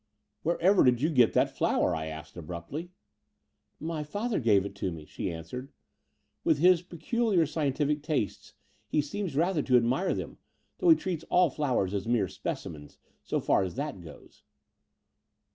''Wherever did you get that flower?" I asked abruptly. My father gave it to me," she answered. With his peculiar scientific tastes he seems rather to admire them, though he treats all flowers as mere specimens, so far as that goes."